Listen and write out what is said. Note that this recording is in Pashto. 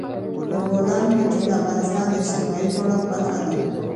د بولان پټي د افغانستان د اجتماعي جوړښت برخه ده.